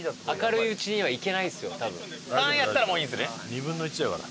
２分の１だから。